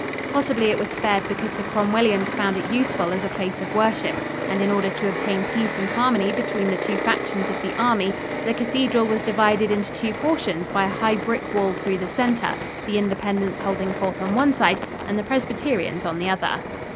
Possibly it was spared because the Cromwellians found it useful as a place of worship, and in order to obtain peace and harmony between the two factions of the army the cathedral was divided into two portions by a high brick wall through the center, the Independents holding forth on one side and the Presbyterians on the other.